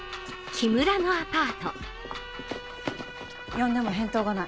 呼んでも返答がない。